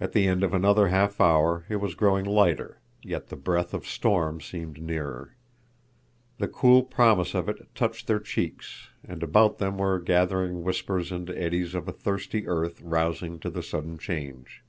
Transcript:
At the end of another half hour it was growing lighter, yet the breath of storm seemed nearer. The cool promise of it touched their cheeks, and about them were gathering whispers and eddies of a thirsty earth rousing to the sudden change.